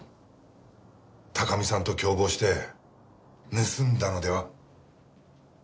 高見さんと共謀して盗んだのでは？